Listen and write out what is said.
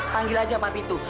panggil aja papi tuh